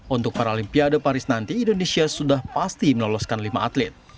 untuk paralimpiade paris nanti indonesia sudah pasti meloloskan lima atlet